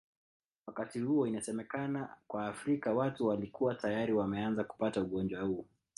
wakati huo inasemekana kwa Afrika watu walikua tayari wameanza kupata ugonjwa huu